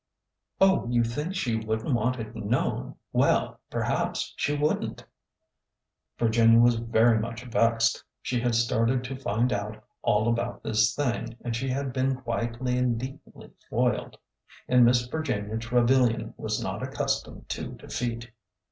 '' Oh, you think she would n't want it known. Well,— perhaps she would n't !" Virginia was very much vexed. She had started to find out all about this thing, and she had been quietly and neatly foiled. And Miss Virginia Trevilian was not ac customed to defeat.